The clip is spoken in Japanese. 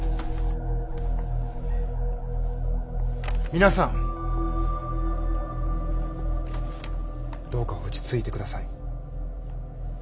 皆さんどうか落ち着いてください。